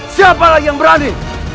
siapa lagi yang berani